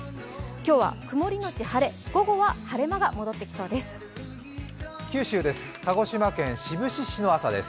今日は曇のち晴れ、午後は晴れ間が戻ってきそうです。